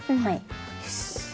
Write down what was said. よし。